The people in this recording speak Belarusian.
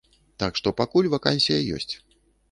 Так што пакуль вакансія ёсць.